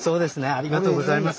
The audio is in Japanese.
ありがとうございます。